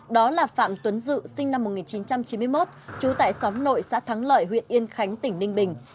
đó là phạm tuấn dự sinh năm một nghìn chín trăm chín mươi một trú tại xóm nội xã thắng lợi huyện yên khánh tỉnh ninh bình